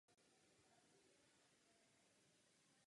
Na zdejší úzké pobřežní pláni nechal pak Dareios zřídit svůj tábor.